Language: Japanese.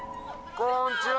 こんちは。